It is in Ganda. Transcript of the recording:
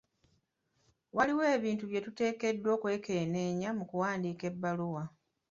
Waliwo ebintu bye tuteekeddwa okwekenneenya mu kuwandiika ebbaluwa.